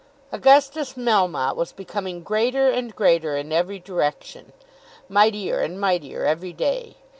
Augustus Melmotte was becoming greater and greater in every direction, mightier and mightier every day.